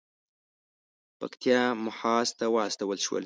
پکتیا محاذ ته واستول شول.